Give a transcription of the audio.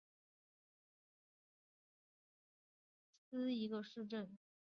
博图米里姆是巴西米纳斯吉拉斯州的一个市镇。